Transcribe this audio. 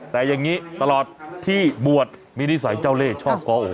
แต่อย่างนี้ตลอดที่บวชมีนิสัยเจ้าเล่ชอบกอโอ